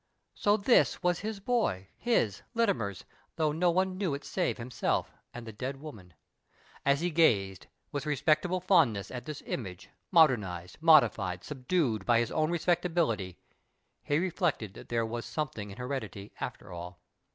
So this was his boy, his, Littimer's, thoTigh no one knew it save himself and the dead woman ! And as he gazed, with respectable fond ness, at this image, modernized, modified, subdued, of his o\vn respectability, he reflected that there was something in heredity, after all.